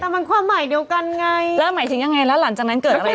แต่มันความหมายเดียวกันไงแล้วหมายถึงยังไงแล้วหลังจากนั้นเกิดอะไรขึ้น